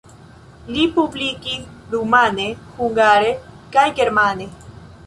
Li publikis rumane, hungare kaj germane.